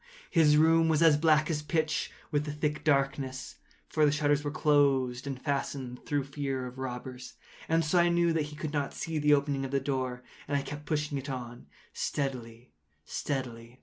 His room was as black as pitch with the thick darkness, (for the shutters were close fastened, through fear of robbers,) and so I knew that he could not see the opening of the door, and I kept pushing it on steadily, steadily.